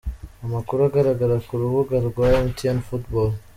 Amakuru agaragara ku rubuga rwa mtnfootball.